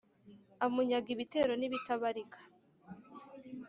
amunyaga ibitero n’ibitabarika